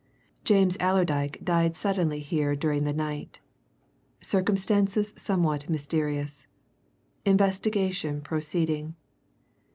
James Allerdyke died suddenly here during night. Circumstances somewhat mysterious. Investigation proceeding.